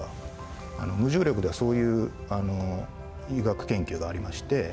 無重力ではそういう医学研究がありまして。